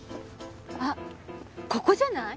あここじゃない？